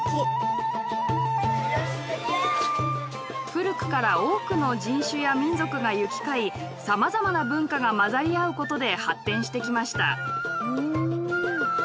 古くから多くの人種や民族が行き交いさまざまな文化が交ざり合うことで発展してきました。